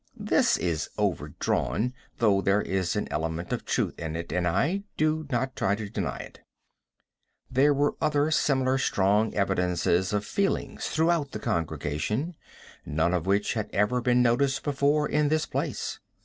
This is overdrawn, though there is an element of truth in it, and I do not try to deny it. There were other similar strong evidences of feeling throughout the congregation, none of which had ever been noticed before in this place.